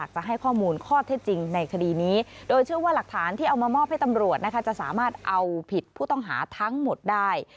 จะสามารถเอาผิดผู้ต้องหาทั้งหมดได้